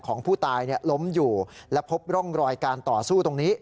ของผู้ตายล้มอยู่และพบร่องรอยการต่อสู้ตรงนี้